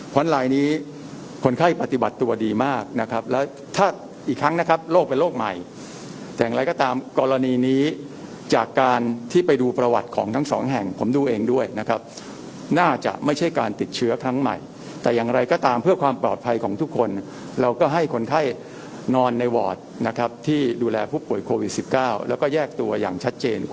เพราะลายนี้คนไข้ปฏิบัติตัวดีมากนะครับแล้วถ้าอีกครั้งนะครับโรคเป็นโรคใหม่แต่อย่างไรก็ตามกรณีนี้จากการที่ไปดูประวัติของทั้งสองแห่งผมดูเองด้วยนะครับน่าจะไม่ใช่การติดเชื้อครั้งใหม่แต่อย่างไรก็ตามเพื่อความปลอดภัยของทุกคนเราก็ให้คนไข้นอนในวอร์ดนะครับที่ดูแลผู้ป่วยโควิด๑๙แล้วก็แยกตัวอย่างชัดเจน